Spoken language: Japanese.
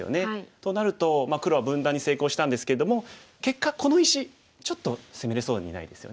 となると黒は分断に成功したんですけれども結果この石ちょっと攻めれそうにないですよね。